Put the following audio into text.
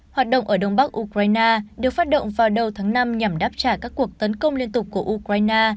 hoạt động ở đông bắc ukraine được phát động vào đầu tháng năm nhằm đáp trả các cuộc tấn công liên tục của ukraine